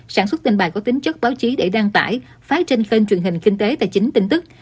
sản xuất tin bài có tính chất báo chí để đăng tải phát trên kênh truyền hình kinh tế tài chính tin tức